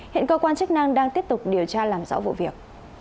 hiện cơ quan chức năng đang tiếp tục điều tra làm rõ vụ việc